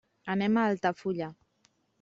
Anem a Altafulla.